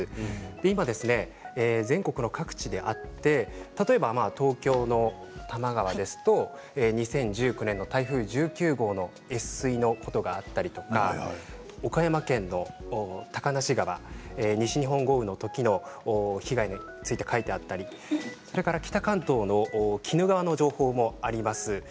今、全国各地にあって例えば東京の多摩川ですと２０１９年の台風１９号の越水のことがあったり岡山県の高梁川西日本豪雨の時の被害について書いてあったりそれから北関東の鬼怒川の情報もあります。